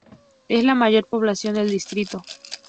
Es la mayor población del distrito.